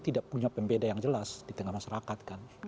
tidak punya pembeda yang jelas di tengah masyarakat kan